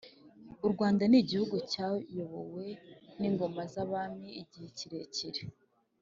U Rwanda ni gihugu cyayobowe n’ingoma z’abami igihe kirekire,